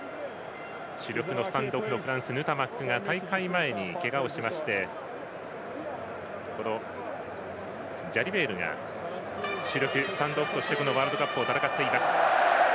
主力のスタンドオフの選手が大会前にけがをしてジャリベールが主力スタンドオフとしてこのワールドカップを戦っています。